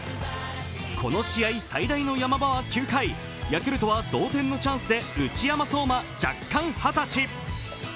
この試合最大のヤマ場は９回ヤクルトは同点のチャンスで内山壮真、弱冠二十歳。